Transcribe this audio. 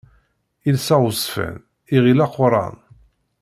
Iles aɣezzfan, iɣil aquran.